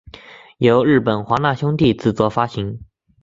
由日本华纳兄弟制作发行。